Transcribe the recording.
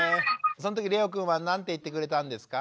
そのときれおくんは何て言ってくれたんですか？